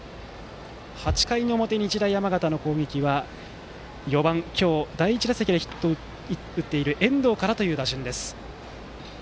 ８回の表、日大山形の攻撃は４番、今日第１打席でヒットを打っている遠藤からの打順です。